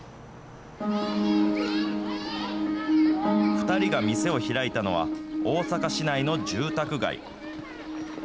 ２人が店を開いたのは、大阪市内の住宅街。